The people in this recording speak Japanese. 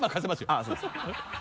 あっそうですか。